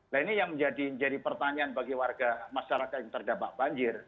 nah ini yang menjadi pertanyaan bagi warga masyarakat yang terdampak banjir